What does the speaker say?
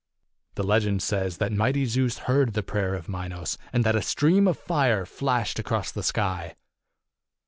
The legend says that mighty Zeus heard the prayer of Minos, and that a stream of fire flashed across the sky.